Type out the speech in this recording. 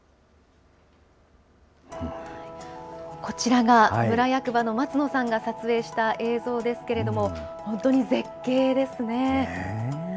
こちらが村役場の松野さんが撮影した映像ですけれども、本当に絶景ですね。